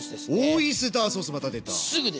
オイスターソースまた出た。